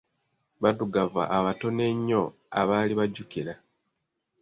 Baddugavu abatono ennyo abaali bajjukira.